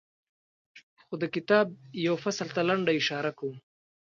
خو د کتاب یوه فصل ته لنډه اشاره کوم.